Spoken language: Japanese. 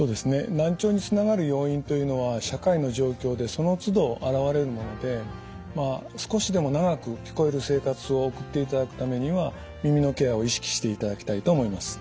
難聴につながる要因というのは社会の状況でそのつど現れるものでまあ少しでも長く聞こえる生活を送っていただくためには耳のケアを意識していただきたいと思います。